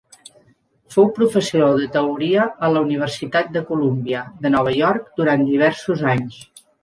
Fou professor de Teoria en la Universitat de Colúmbia, de Nova York, durant diversos anys.